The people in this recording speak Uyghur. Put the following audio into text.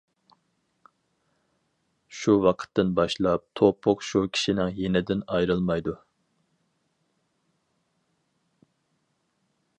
شۇ ۋاقىتتىن باشلاپ توپۇق شۇ كىشىنىڭ يېنىدىن ئايرىلمايدۇ.